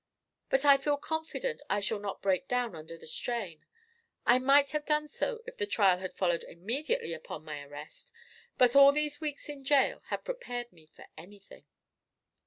But I feel confident I shall not break down under the strain. I might have done so if the trial had followed immediately upon my arrest, but all these weeks in jail have prepared me for anything."